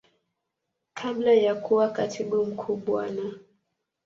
Kabla ya kuwa Katibu Mkuu Bwana.